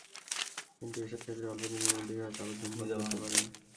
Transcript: কিন্তু এসব ক্ষেত্রে অল্প দিনের মধ্যেই হয়তো আবার ধূমপান করতে পারেন।